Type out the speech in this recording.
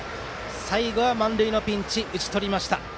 最後は満塁のピンチを打ち取りました